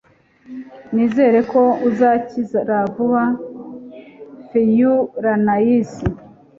Nizere ko uzakira vuba. (FeuDRenais)